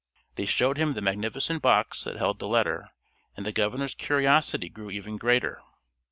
They showed him the magnificent box that held the letter, and the governor's curiosity grew even greater.